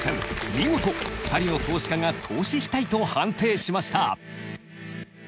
見事２人の投資家が投資したいと判定しました。